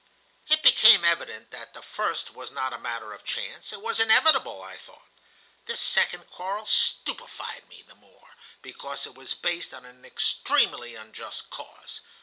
"It became evident that the first was not a matter of chance. 'It was inevitable,' I thought. This second quarrel stupefied me the more, because it was based on an extremely unjust cause.